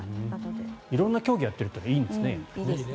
色んな競技をやってるといいんですね。